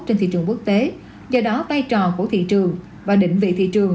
trên thị trường quốc tế do đó vai trò của thị trường và định vị thị trường